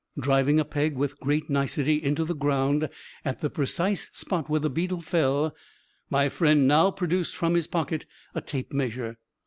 Driving a peg, with great nicety, into the ground, at the precise spot where the beetle fell, my friend now produced from his pocket a tape measure.